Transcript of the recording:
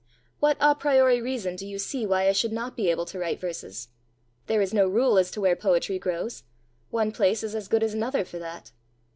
What a priori reason do you see why I should not be able to write verses? There is no rule as to where poetry grows: one place is as good as another for that!"